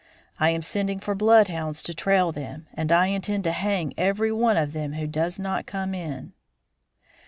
I am sending for bloodhounds to trail them, and I intend to hang every one of them who does not come in."